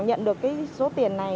nhận được cái số tiền này